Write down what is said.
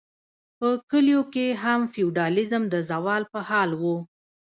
په کلیو کې هم فیوډالیزم د زوال په حال و.